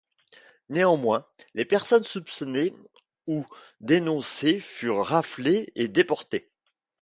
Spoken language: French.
Néanmoins les personnes soupçonnées ou dénoncées furent raflées et déportées.